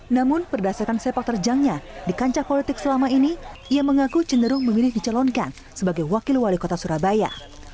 namun berdasarkan sepak terjangnya di kancah politik selama ini ia mengaku cenderung memilih dicalonkan sebagai wakil wali kota surabaya